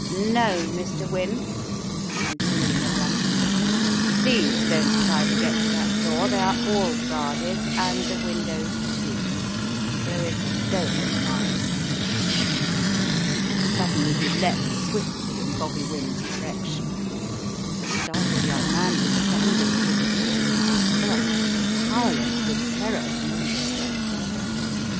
No, Mr. Wynne," he con tinued, rapidly, "please don't try to get to that door, they are all guarded and the windows, too. So if you don't mind '* Untwisting the Threads 269 Suddenly he leapt swiftly in Bobby Wynne's direction. The startled young man was standing as if rooted to the spot, powerless with terror to move a step further.